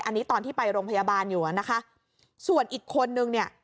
อันนี้ตอนที่ไปโรงพยาบาลอยู่อ่ะนะคะส่วนอีกคนนึงเนี่ย